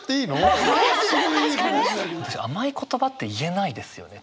甘い言葉って言えないですよね